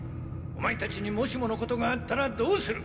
オマエたちにもしものことがあったらどうする！